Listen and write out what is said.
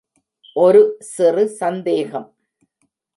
ஒரு சிறு சந்தேகம்.